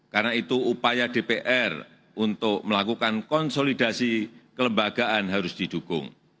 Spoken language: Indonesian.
karena itu upaya dpr untuk melakukan konsolidasi kelembagaan harus didukung